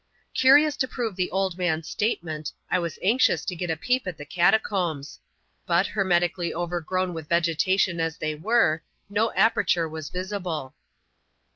Curious to prove the old man's statement, I was anxious to get a peep at the catacombs ; but, hermetically overgrown with vegetation as they were, no aperture was visible.